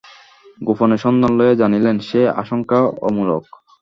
গোপনে সন্ধান লইয়া জানিলেন, সে আশঙ্কা অমূলক।